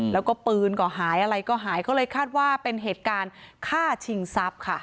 แล้วก็ปืนก็หายอะไรก็หายก็เลยคาดว่าเป็นเหตุการณ์ฆ่าชิงทรัพย์ค่ะ